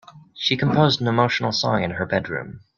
She composed an emotional song in her bedroom.